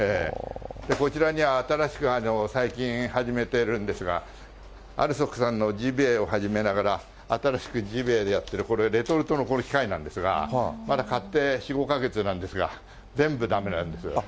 こちらには新しく最近始めてるんですが、アルソックさんのジビエを始めながら、新しくジビエをやっている、これ、レトルトの機械なんですが、まだ買って４、５か月なんですが、全部だめなんです。